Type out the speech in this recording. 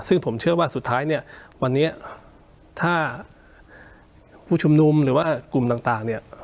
ซึ่งผมเชื่อว่าสุดท้ายเนี่ยวันนี้ถ้าผู้ชุมนุมหรือว่ากลุ่มต่างเนี่ย